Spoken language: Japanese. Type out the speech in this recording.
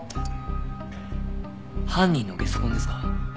犯人のゲソ痕ですか？